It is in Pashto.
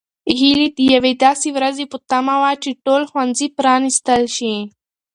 هیلې د یوې داسې ورځې په تمه وه چې ټول ښوونځي پرانیستل شي.